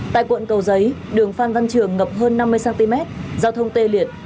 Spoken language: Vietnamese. tại quận cầu giấy đường phan văn trường ngập hơn năm mươi cm giao thông tê liệt